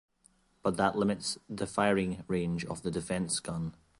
But that limits the firing range of the defense gun.